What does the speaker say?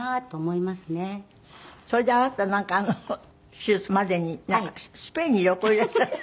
それであなたなんか手術までにスペインに旅行いらしたって。